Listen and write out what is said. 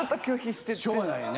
しょうがないよね。